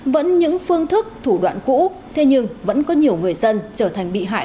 vẫn những phương thức thủ đoạn cũ thế nhưng vẫn có nhiều người dân trở thành bị hại